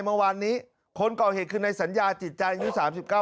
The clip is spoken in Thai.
เมื่อวานนี้คนก่อเหตุคือในสัญญาจิตใจอายุสามสิบเก้า